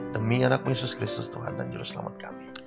demi anak mu yesus kristus tuhan dan juru selamat kami